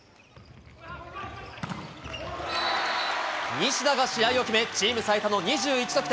西田が試合を決め、チーム最多の２１得点。